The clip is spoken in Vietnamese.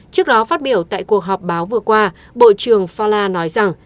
trước đó phát biểu tại cuộc họp báo vừa qua bộ trường fala nói rằng